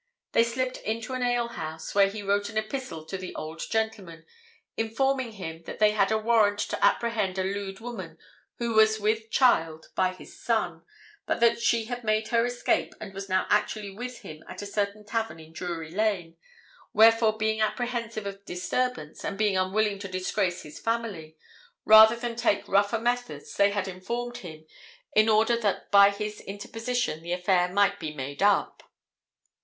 They slipped into an alehouse, where he wrote an epistle to the old gentleman, informing him that they had a warrant to apprehend a lewd woman who was with child by his son, but that she had made her escape, and was now actually with him at a certain tavern in Drury Lane, wherefore being apprehensive of disturbance, and being unwilling to disgrace his family, rather than take rougher methods, they had informed him, in order that by his interposition the affair might be made up.